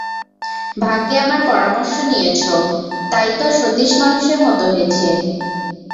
ভাগ্যে আমার পরামর্শ নিয়েছো, তাই তো সতীশ মানুষের মতো হয়েছে।